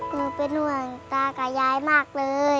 หนูเป็นห่วงตากับยายมากเลย